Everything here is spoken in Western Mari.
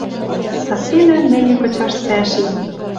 Цаценӓм мӹньӹ кычаш цӓшем